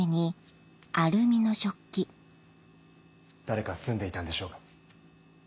誰か住んでいたんでしょうか？